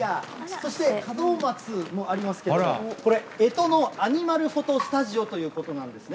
そして門松もありますけれども、これ、干支のアニマルフォトスタジオということなんですね。